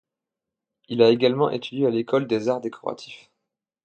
Il a également étudié à l'École des arts décoratifs.